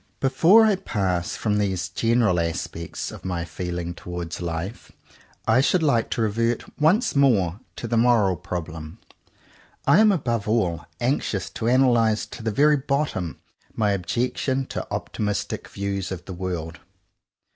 Before I pass from these general aspects of my feeling towards life, I should like to revert once more to the moral problem. I am above all anxious to analyze to the very bottom my objection to optimistic views of the world.